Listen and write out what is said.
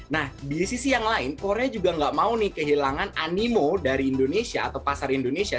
nah di sisi yang lain korea juga gak mau nih kehilangan animo dari indonesia atau pasar indonesia